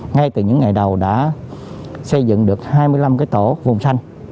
ngay từ những ngày đầu đã xây dựng được hai mươi năm cái tổ vùng xanh